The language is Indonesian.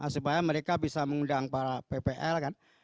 supaya mereka bisa mengundang para ppl kan